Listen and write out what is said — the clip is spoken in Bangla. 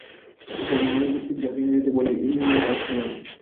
সতীধর্ম নৈর্ব্যক্তিক, যাকে ইংরেজিতে বলে ইম্পার্সোনাল।